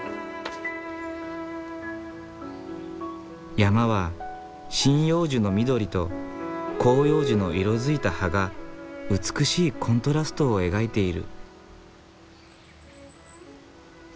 山は針葉樹の緑と広葉樹の色づいた葉が美しいコントラストを描いている。